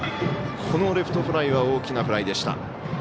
このレフトフライは大きなフライでした。